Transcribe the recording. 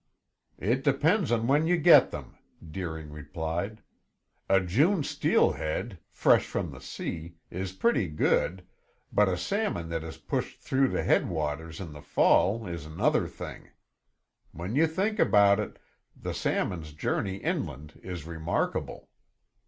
"It depends on when you get them," Deering replied. "A June steelhead, fresh from the sea, is pretty good, but a salmon that has pushed through to head waters in the fall is another thing. When you think about it, the salmons' journey inland is remarkable.